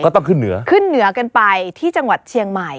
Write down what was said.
ก็ต้องขึ้นเหนือกันไปที่จังหวัดเชียงใหม่